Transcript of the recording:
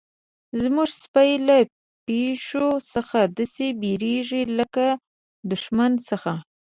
زموږ سپی له پیشو څخه داسې بیریږي لکه له دښمن څخه.